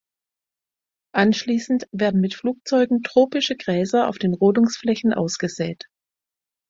Anschließend werden mit Flugzeugen tropische Gräser auf den Rodungsflächen ausgesät.